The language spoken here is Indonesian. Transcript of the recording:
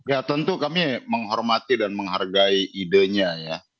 ya tentu kami menghormati dan menghargai idenya ya